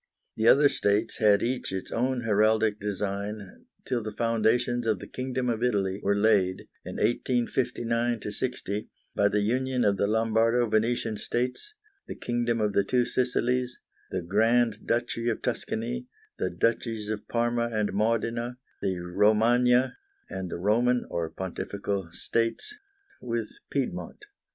The other states had each its own heraldic design till the foundations of the Kingdom of Italy were laid, in 1859 60, by the union of the Lombardo Venetian States, the Kingdom of the Two Sicilies, the Grand Duchy of Tuscany, the Duchies of Parma and Modena, the Romagna and the Roman (or Pontifical) States with Piedmont.